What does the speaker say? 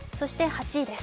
８位です。